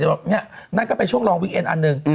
๙๑๐๑๑๑๒หรือ๑๐๑๑๑๒นั่นก็เป็นช่วงรองวิคเอ็นต์อันหนึ่ง